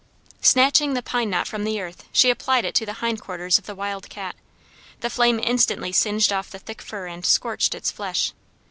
Snatching the pine knot from the earth, she applied it to the hindquarters of the wild cat. The flame instantly singed off the thick fur and scorched its flesh.